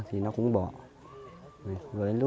thì nó cũng không thể thay đổi nhiều